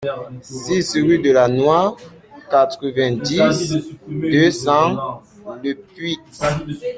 six rue de la Noie, quatre-vingt-dix, deux cents, Lepuix